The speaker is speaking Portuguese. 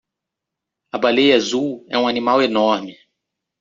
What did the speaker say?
A baleia azul é um animal enorme.